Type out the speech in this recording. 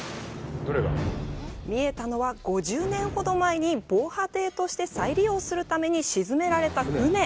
見えたのは５０年ほど前に防波堤として再利用するために沈められた船。